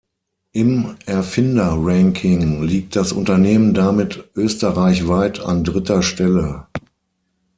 Im Erfinder-Ranking liegt das Unternehmen damit österreichweit an dritter Stelle.